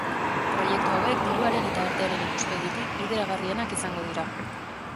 Proiektu hauek diruaren eta artearen ikuspegitik bideragarrienak izango dira.